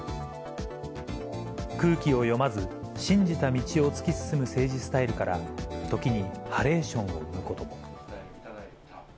空気を読まず、信じた道を突き進む政治スタイルから、時に、ハレーションを生むことも。